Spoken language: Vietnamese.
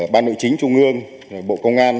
ban nội chính trung ương bộ công an